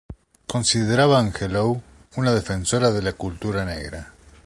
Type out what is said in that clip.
Consideraba a Angelou una defensora de la cultura negra.